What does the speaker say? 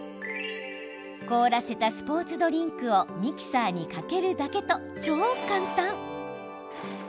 凍らせたスポーツドリンクをミキサーにかけるだけと超簡単。